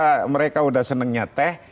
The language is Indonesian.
kalau mereka sudah senangnya teh